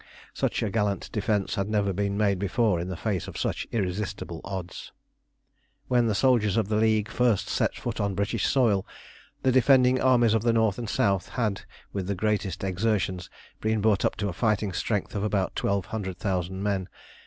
Such a gallant defence had never been made before in the face of such irresistible odds. When the soldiers of the League first set foot on British soil the defending armies of the North and South had, with the greatest exertions, been brought up to a fighting strength of about twelve hundred thousand men.